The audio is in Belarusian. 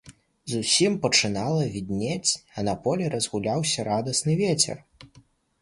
Зусім пачынала віднець, а на полі разгуляўся радасны вецер.